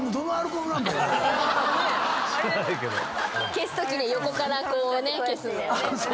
消すときに横からこうね消すんだよね。